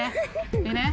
いいね？